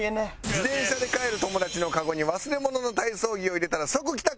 自転車で帰る友だちのカゴに忘れ物の体操着を入れたら即帰宅！